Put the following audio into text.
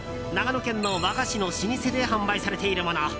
長野県の和菓子の老舗で販売されているもの。